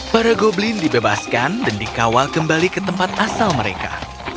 para goblin dibebaskan dan dikawal kembali ke tempat asal mereka